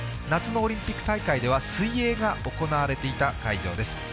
夏のオリンピック大会では水泳が行われていた会場です。